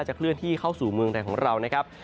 เคลื่อนที่เข้าสู่เมืองไทยของเรานะครับ